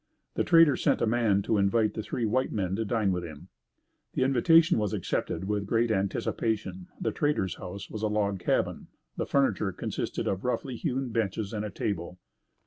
The trader sent a man to invite the three white men to dine with him. The invitation was accepted with great anticipation. The trader's house was a log cabin. The furniture consisted of roughly hewn benches and a table.